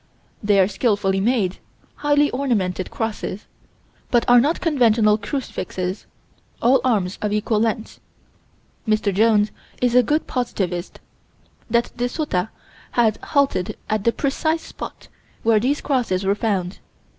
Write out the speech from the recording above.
They are skillfully made, highly ornamented crosses, but are not conventional crucifixes: all arms of equal length. Mr. Jones is a good positivist that De Sota had halted at the "precise" spot where these crosses were found.